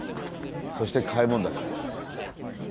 そして開聞岳ですね。